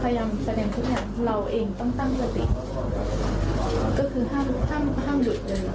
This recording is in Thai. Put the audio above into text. พยายามแสดงทุกอย่างเราเองต้องตั้งสติก็คือห้ามห้ามหยุดเลย